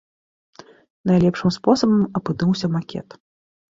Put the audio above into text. Найлепшым спосабам апынуўся макет.